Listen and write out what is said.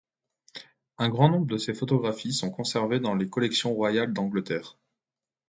Un grand nombre de ses photographies sont conservées dans les collections royales d'Angleterre.